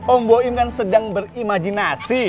om boy kan sedang berimajinasi